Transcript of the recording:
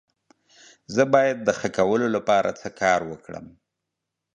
زه باید د ښه کولو لپاره څه کار وکړم؟